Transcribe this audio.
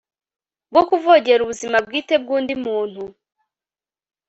bwo kuvogera ubuzima bwite bw'undi muntu